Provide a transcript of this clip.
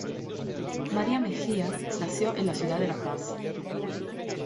María Mejía nació en la ciudad de La Paz.